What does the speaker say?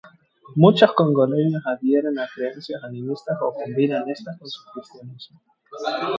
Muchos congoleños adhieren a creencias animistas o combinan estas con su cristianismo.